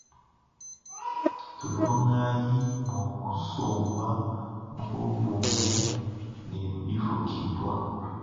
Tulongayi mua kusomba mubobumue na bifukibua.